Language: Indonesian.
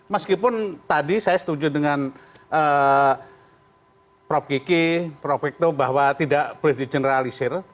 meskipun tadi saya setuju dengan prof kiki prof kito bahwa tidak boleh dijeneralisir